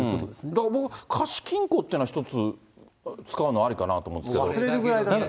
だから貸金庫っていうのは一つ、使うのありかなと思うんです忘れるぐらいだったら。